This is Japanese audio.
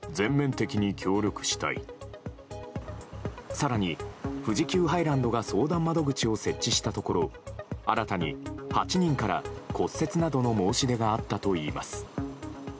更に、富士急ハイランドが相談窓口を設置したところ新たに８人から骨折などの申し出があったといいます。